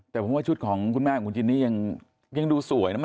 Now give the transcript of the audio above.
แต่ผมว่าชุดของคุณแม่ของคุณจินนี่ยังดูสวยนะ